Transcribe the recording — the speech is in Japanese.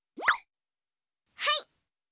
はい！